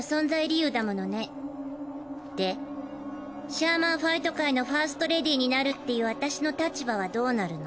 シャーマンファイト界のファーストレディになるっていう私の立場はどうなるの？